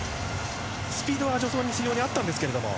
スピードは助走で非常にあったんですけど。